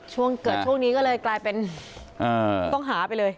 ช่วงเกิดช่วงนี้ก็เลยกลายเป็นต้องหาไปเลย